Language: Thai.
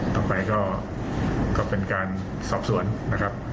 ต่อไปก็เป็นการสอบสวนนะครับ